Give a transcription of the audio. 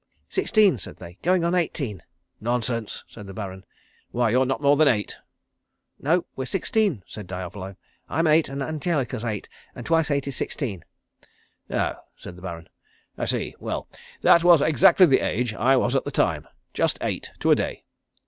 "Sixteen," said they. "Going on eighteen." "Nonsense," said the Baron. "Why you're not more than eight." "Nope we're sixteen," said Diavolo. "I'm eight and Angelica's eight and twice eight is sixteen." "Oh," said the Baron. "I see. Well, that was exactly the age I was at the time. Just eight to a day."